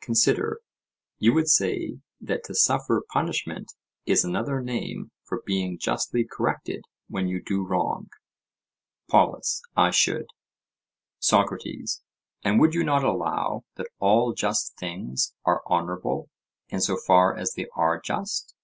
Consider:—You would say that to suffer punishment is another name for being justly corrected when you do wrong? POLUS: I should. SOCRATES: And would you not allow that all just things are honourable in so far as they are just?